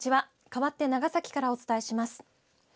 かわって長崎からお伝えします。